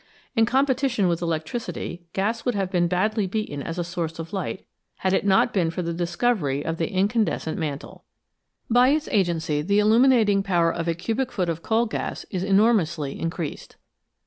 In competition with electricity, gas would have been badly beaten as a source of light had it not been for the discovery of the incandescent mantle. By its agency the illuminating power of a cubic foot of coal gas is enormously increased.